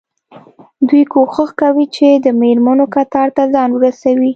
دوی کوښښ کوي چې د مېرمنو کتار ته ځان ورسوي.